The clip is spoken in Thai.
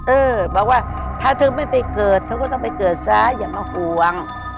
เออบอกว่าถ้าเธอไม่ไปเกิดเธอก็ต้องไปเกิดซะอย่ามาห่วง